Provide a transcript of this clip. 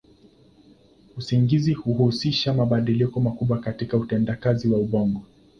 Usingizi huhusisha mabadiliko makubwa katika utendakazi wa ubongo.